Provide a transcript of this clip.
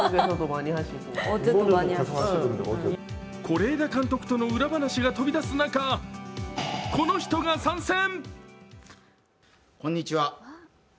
是枝監督との裏話が飛び出す中、この人が参戦。